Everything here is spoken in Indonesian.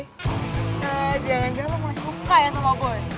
jangan jangan lo mau suka ya sama boy